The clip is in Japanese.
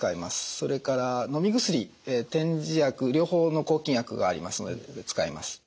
それからのみ薬点耳薬両方の抗菌薬がありますので使います。